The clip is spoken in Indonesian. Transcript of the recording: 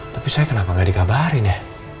tapi saya kenapa gak dikabarin ya